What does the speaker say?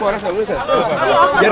puannya selalu gitu pak